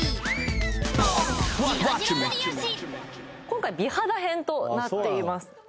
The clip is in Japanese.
今回美肌編となっていますああ